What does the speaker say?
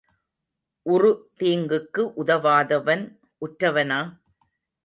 உறு தீங்குக்கு உதவாதவன் உற்றவனா?